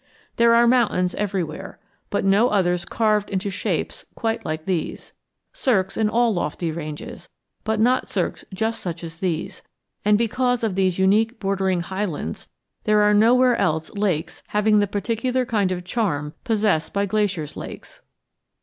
There are mountains everywhere, but no others carved into shapes quite like these; cirques in all lofty ranges, but not cirques just such as these; and because of these unique bordering highlands there are nowhere else lakes having the particular kind of charm possessed by Glacier's lakes.